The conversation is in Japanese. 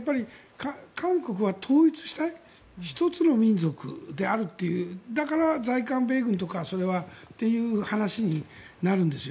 韓国は統一したい１つの民族であるというだから在韓米軍とかという話になるんですよ。